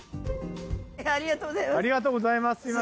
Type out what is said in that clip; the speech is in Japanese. ありがとうございます。